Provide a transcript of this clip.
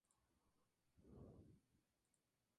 Esto la marca para toda la vida.